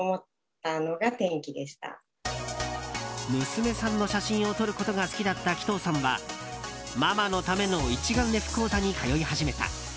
娘さんの写真を撮ることが好きだった鬼頭さんはママのための一眼レフ講座に通い始めた。